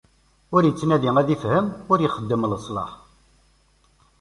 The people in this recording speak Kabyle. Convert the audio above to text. Ur ittnadi ad ifhem, ur ixeddem leslaḥ.